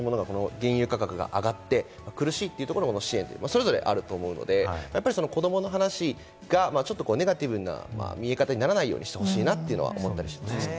原油価格が上がって苦しいというところの支援、それぞれあると思うので子供の話がネガティブな見え方にならないようにしてほしいなと思ったりしますね。